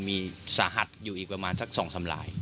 มีสาหัสอยู่อีกประมาณสัก๒สำลาย